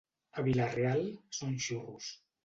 A Vila-real són xurros.